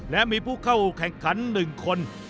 และมีผู้เข้าแข่งขัน๑คน